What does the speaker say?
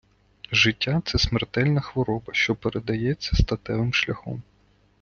життя-це смертельна хвороба, що передається статевим шляхом